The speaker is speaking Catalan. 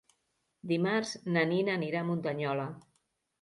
Dimarts na Nina anirà a Muntanyola.